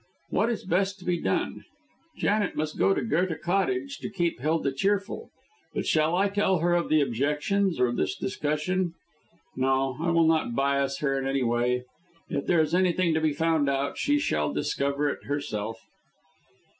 What is best to be done? Janet must go to Goethe Cottage to keep Hilda cheerful; but shall I tell her of the objections or this discussion? No, I will not bias her in any way. If there is anything to be found out, she shall discover it herself."